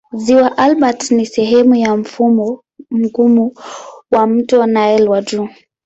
Ziwa Albert ni sehemu ya mfumo mgumu wa mto Nile wa juu.